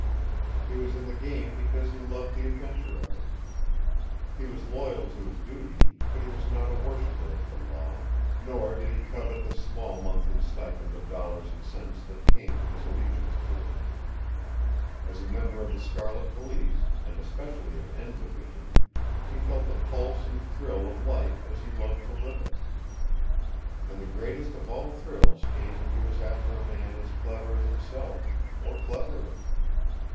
He was in the game because he loved the adventure of it. He was loyal to his duty, but he was not a worshipper of the law, nor did he covet the small monthly stipend of dollars and cents that came of his allegiance to it. As a member of the Scarlet Police, and especially of "N" Division, he felt the pulse and thrill of life as he loved to live it. And the greatest of all thrills came when he was after a man as clever as himself, or cleverer.